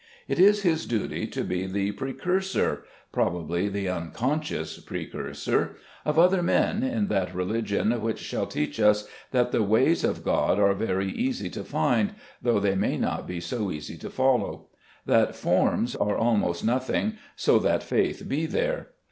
It is his duty to be the precursor probably the unconscious precursor of other men in that religion which shall teach us that the ways of God are very easy to find, though they may not be so easy to follow; that forms are almost nothing, so that faith be there.